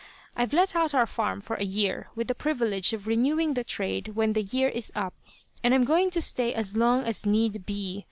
I've let out our farm for a year, with the privilege of renewing the trade when the year is up; and I'm going to stay as long as need be.